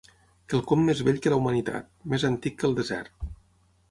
Quelcom més vell que la humanitat, més antic que el desert.